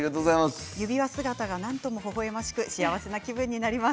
指輪姿が何ともほほえましく幸せな気分になります。